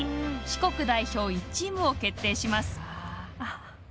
四国代表１チームを決定します。